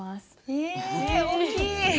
え大きい。